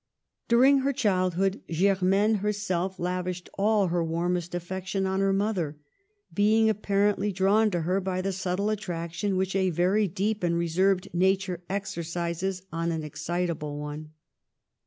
During her childhood Germaine herself lav ished all her warmest affection on her mother, being apparently drawn to her by the subtle attraction which a very deep and reserved nature exercises on an excitable one.